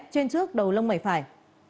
trên trước đầu lông mẩy phải